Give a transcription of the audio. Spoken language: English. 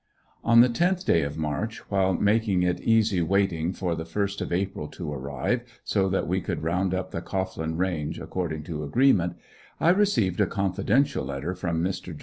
On the tenth day of March, while taking it easy waiting for the first of April to arrive so that we could round up the Cohglin range according to agreement, I received a confidential letter from Mr. Geo.